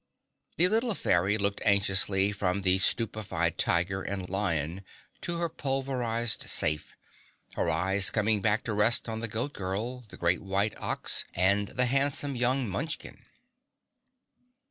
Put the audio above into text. The Little Fairy looked anxiously from the stupefied Tiger and Lion to her pulverized safe, her eyes coming back to rest on the Goat Girl, the great White Ox and the handsome young Munchkin.